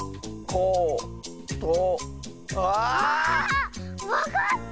ああっ⁉わかった！